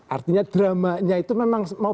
artinya dramanya itu memang mau